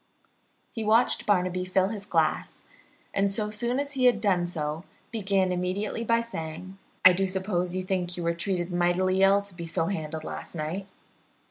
He watched Barnaby fill his glass, and so soon as he had done so began immediately by saying: "I do suppose you think you were treated mightily ill to be so handled last night.